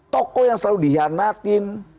toko yang selalu dihianatin